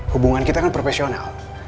hubungan kita kan profesional